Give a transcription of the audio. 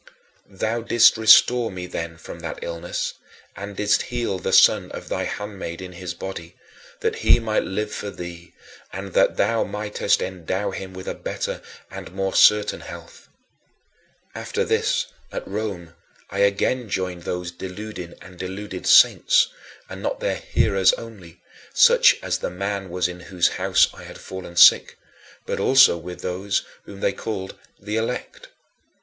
Thou didst restore me then from that illness, and didst heal the son of thy handmaid in his body, that he might live for thee and that thou mightest endow him with a better and more certain health. After this, at Rome, I again joined those deluding and deluded "saints"; and not their "hearers" only, such as the man was in whose house I had fallen sick, but also with those whom they called "the elect."